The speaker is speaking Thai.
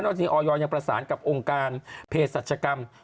นอกจากนี้อยยังประสานกับองค์การเพศศจกรรม